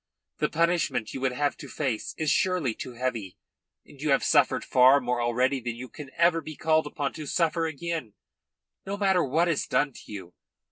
The punishment you would have to face is surely too heavy, and you have suffered far more already than you can ever be called upon to suffer again, no matter what is done to you.